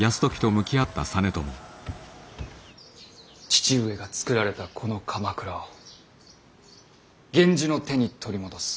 父上がつくられたこの鎌倉を源氏の手に取り戻す。